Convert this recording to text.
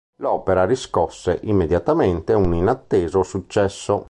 L'opera riscosse immediatamente un inatteso successo.